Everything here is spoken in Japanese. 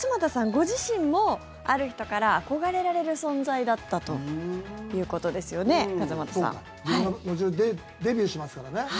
ご自身もある人から憧れられる存在だったということですよね、勝俣さん。デビューしますからね。